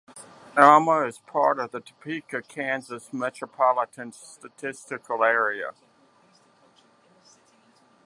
Alma is part of the Topeka, Kansas Metropolitan Statistical Area.